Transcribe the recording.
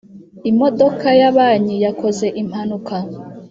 Imodoka ya banki yakoze impanuka